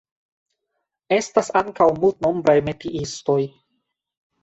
Estas ankaŭ multnombraj metiistoj.